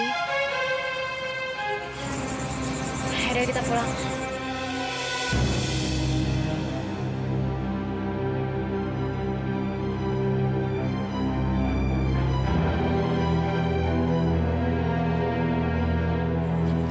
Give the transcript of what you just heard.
ya udah kita pulang